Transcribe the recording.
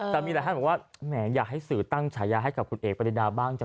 แต่มีหลายท่านบอกว่าแหมอยากให้สื่อตั้งฉายาให้กับคุณเอกปรินาบ้างจัง